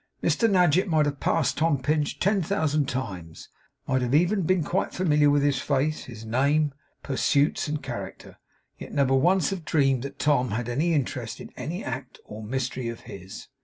Mr Nadgett might have passed Tom Pinch ten thousand times; might even have been quite familiar with his face, his name, pursuits, and character; yet never once have dreamed that Tom had any interest in any act or mystery of his.